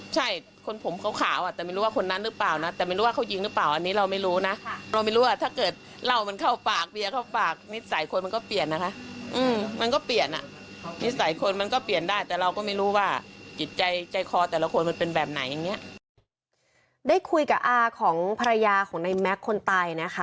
ใจคอแต่ละคนมันเป็นแบบไหนอย่างเนี้ยได้คุยกับอาของภรรยาของในแม็คคนไตน่ะค่ะ